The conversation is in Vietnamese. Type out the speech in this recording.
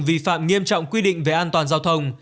vi phạm nghiêm trọng quy định về an toàn giao thông